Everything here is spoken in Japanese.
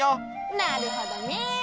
なるほどね。